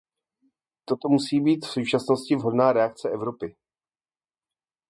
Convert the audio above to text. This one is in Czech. Toto musí být v současnosti vhodná reakce Evropy.